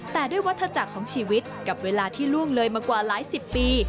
แต่ด้วยวัฒนาจักรของชีวิตกับเวลาที่ล่วงเลยมากว่าหลายสิบปี